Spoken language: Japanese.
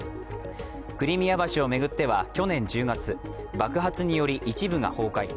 クリミア橋を巡っては去年１０月、爆発により一部が崩壊。